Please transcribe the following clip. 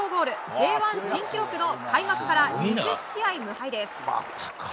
Ｊ１新記録の開幕から２０試合無敗です。